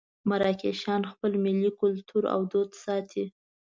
مراکشیان خپل ملي کولتور او دود ساتي.